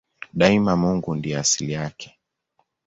Daima Mungu ndiye asili yake.